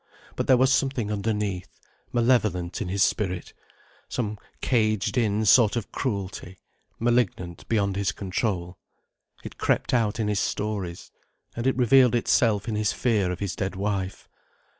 But there was something underneath—malevolent in his spirit, some caged in sort of cruelty, malignant beyond his control. It crept out in his stories. And it revealed itself in his fear of his dead wife.